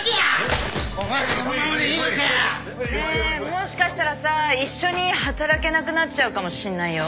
もしかしたらさ一緒に働けなくなっちゃうかもしんないよ。